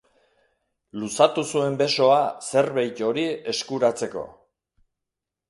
Luzatu zuen besoa zerbeit hori eskuratzeko.